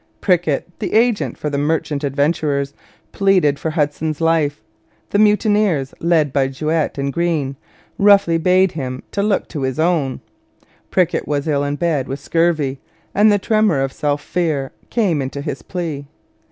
Prickett, the agent for the merchant adventurers, pleaded for Hudson's life; the mutineers, led by Juet and Greene, roughly bade him look to his own. Prickett was ill in bed with scurvy, and the tremor of self fear came into his plea.